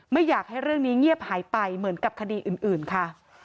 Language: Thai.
ไม่อยากให้เรื่องนี้เงียบหายไปเหมือนกับคดีอื่นค่ะ